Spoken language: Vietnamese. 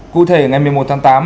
cụ thể ngày một mươi một tháng tám